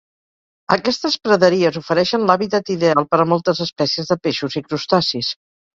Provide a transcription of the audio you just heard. Aquestes praderies ofereixen l'hàbitat ideal per a moltes espècies de peixos i crustacis.